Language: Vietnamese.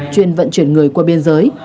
chuyên vận chuyển người qua biên giới